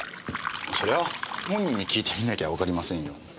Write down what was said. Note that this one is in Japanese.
それは本人に訊いてみなきゃわかりませんよ。